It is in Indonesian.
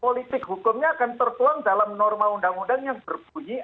politik hukumnya akan tertuang dalam norma undang undang yang berbunyi